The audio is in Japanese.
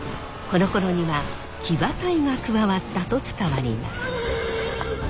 このころには騎馬隊が加わったと伝わります。